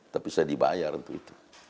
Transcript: tapi saya dibayar untuk itu